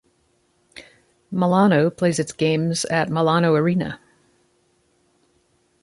Milano plays its games at Milano Arena.